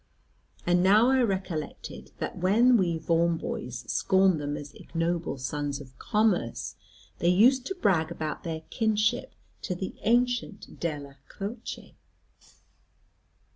And now I recollected that when we Vaughan boys scorned them as ignoble sons of commerce, they used to brag about their kinship to the ancient Della Croce.